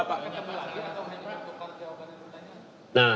menyebut lagi atau hanya untuk pertanyaan pertanyaan